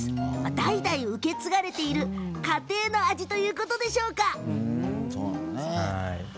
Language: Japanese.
代々受け継がれている家庭の味ということでしょうか。